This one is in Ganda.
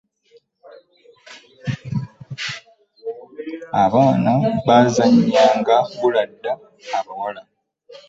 abaana bbazanyanga bulada abawala